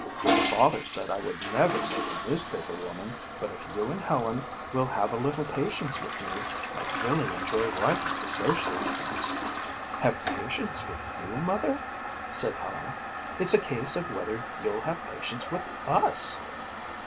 "Your father said I never would make a newspaper woman but if you and Helen will have a little patience with me, I'd really enjoy writing the social items." "Have patience with you, Mother?" said Helen. "It's a case of whether you'll have patience with us."